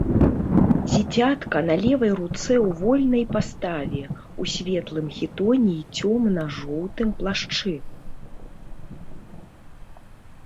Дзіцятка на левай руцэ ў вольнай паставе, у светлым хітоне і цёмна-жоўтым плашчы.